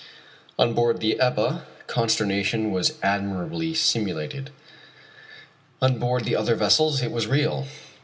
On board the Ebba consternation was admirably simulated. On board the other vessels it was real.